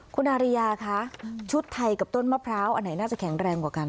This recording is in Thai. คุณอาริยาคะชุดไทยกับต้นมะพร้าวอันไหนน่าจะแข็งแรงกว่ากัน